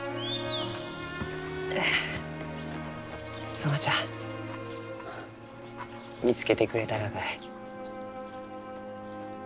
園ちゃん見つけてくれたがかえ？